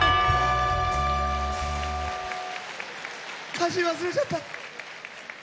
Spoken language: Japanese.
歌詞、忘れちゃった。